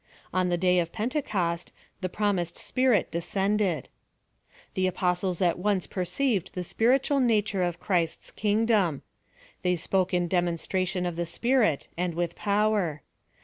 On the day of Pentecost, the promised Spirit de scended. The apostles at once perceived the spirit ual nature of Christ's kingdom. They spoke in demonstration of the Spirit, and with power.